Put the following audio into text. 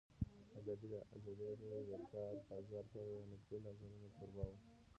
ازادي راډیو د د کار بازار په اړه د نقدي نظرونو کوربه وه.